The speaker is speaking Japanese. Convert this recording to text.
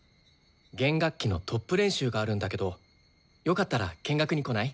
弦楽器のトップ練習があるんだけどよかったら見学に来ない？